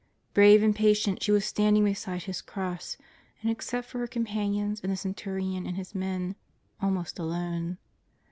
Brave and patient she w^as standing beside His cross, and, except for her companions and the centurion and his men, almost alone.